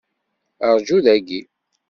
Rǧu dagi.